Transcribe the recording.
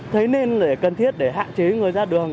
thế nên là cần thiết để hạn chế người ra đường